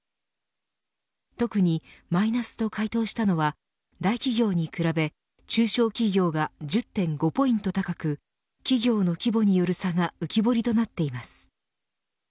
特にマイナスと回答したのは大企業に比べ中小企業が１０．５ポイント高く企業の規模による差が浮き彫りとなっています。